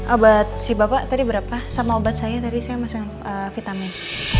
obat si bapak tadi berapa sama obat saya tadi saya masang vitamin